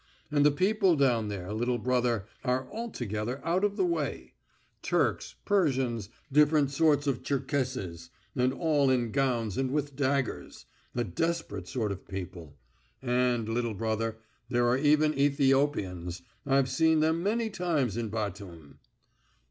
And the people down there, little brother, are altogether out of the way: Turks, Persians, different sorts of Cherkesses, and all in gowns and with daggers, a desperate sort of people! And, little brother, there are even Ethiopians. I've seen them many times in Batum!"